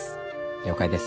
了解です。